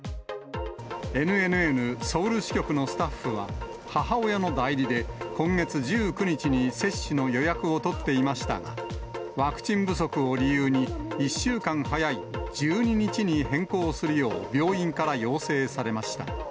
ＮＮＮソウル支局のスタッフは、母親の代理で今月１９日に接種の予約を取っていましたが、ワクチン不足を理由に、１週間早い１２日に変更するよう、病院から要請されました。